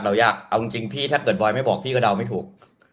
ยากเอาจริงพี่ถ้าเกิดบอยไม่บอกพี่ก็เดาไม่ถูก